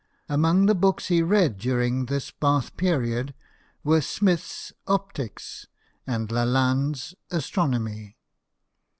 Arrong the books he read during this Bath period were Smith's " Optics " and Lalande's " Astronomy."